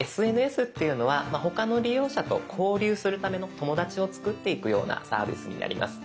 ＳＮＳっていうのは他の利用者と交流するための友だちを作っていくようなサービスになります。